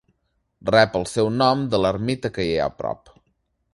Rep el seu nom de l'ermita que hi ha a prop.